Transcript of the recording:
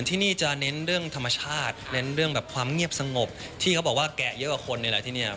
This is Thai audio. ที่นี่จะเน้นเรื่องธรรมชาติเน้นเรื่องแบบความเงียบสงบที่เขาบอกว่าแกะเยอะกว่าคนนี่แหละที่นี่